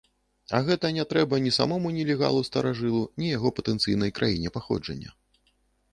А гэта не трэба ні самому нелегалу-старажылу, ні яго патэнцыйнай краіне паходжання.